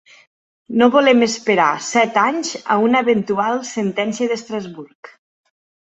No volem esperar set anys a una eventual sentència d’Estrasburg.